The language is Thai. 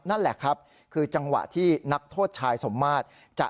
นั่นแหละครับคือจังหวะที่นักโทษชายสมมาตร